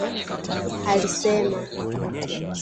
alisema